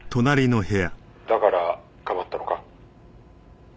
「だからかばったのか？」